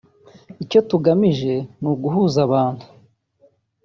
Icyo tugamije ni uguhuza abantu